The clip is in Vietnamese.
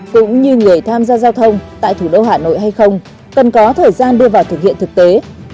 cũng như người tham gia giao thông tại thủ đô hà nội hay không cần có thời gian đưa vào thực hiện thực tế